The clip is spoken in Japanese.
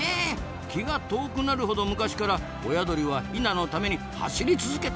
気が遠くなるほど昔から親鳥はヒナのために走り続けたんですなあ。